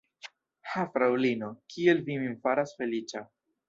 Ha, fraŭlino, kiel vi min faras feliĉa!